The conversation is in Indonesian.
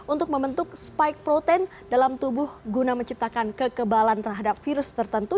untuk membentuk spike protein dalam tubuh guna menciptakan kekebalan terhadap virus tertentu